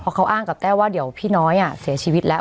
เขาอ้างกับแต้วว่าเดี๋ยวพี่น้อยเสียชีวิตแล้ว